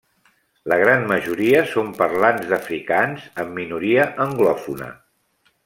La gran majoria són parlants d'afrikaans, amb minoria anglòfona.